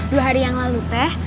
dua hari yang lalu teh